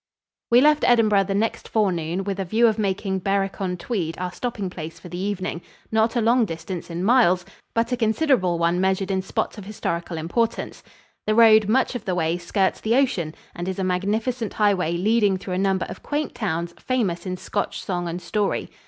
We left Edinburgh the next forenoon with a view of making Berwick on Tweed our stopping place for the evening not a long distance in miles but a considerable one measured in spots of historical importance. The road much of the way skirts the ocean and is a magnificent highway leading through a number of quaint towns famous in Scotch song and story.